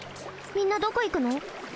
みんなどこ行くの？